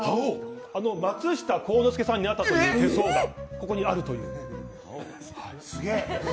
松下幸之助さんにあったという手相が、ここにあるという。